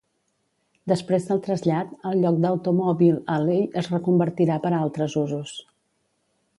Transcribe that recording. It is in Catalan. Després del trasllat, el lloc d'Automobile Alley es reconvertirà per a altres usos.